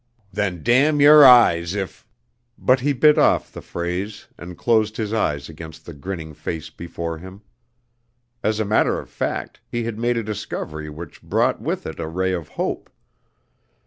"Then damn your eyes if " But he bit off the phrase and closed his eyes against the grinning face before him. As a matter of fact, he had made a discovery which brought with it a ray of hope.